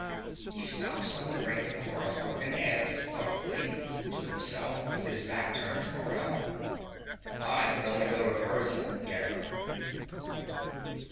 (He stops on the brink of the hearth rug and adds, thoughtfully, to himself, with his back turned to Morell) I could only go to her as a beggar.